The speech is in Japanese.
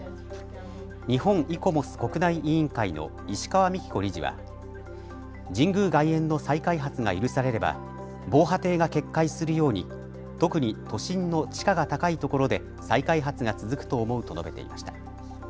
日本イコモス国内委員会の石川幹子理事は神宮外苑の再開発が許されれば防波堤が決壊するように特に都心の地価が高いところで再開発が続くと思うと述べていました。